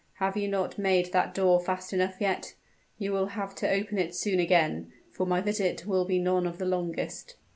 have you not made that door fast enough yet? you will have to open it soon again for my visit will be none of the longest."